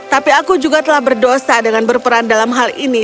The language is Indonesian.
tapi aku juga telah berdosa dengan berperan dalam hal ini